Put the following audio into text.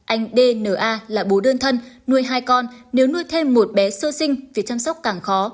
anh dna là bố đơn thân nuôi hai con nếu nuôi thêm một bé sơ sinh việc chăm sóc càng khó